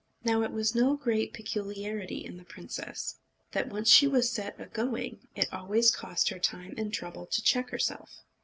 Now it was no great peculiarity in the princess that, once she was set agoing, it always cost her time and trouble to check herself.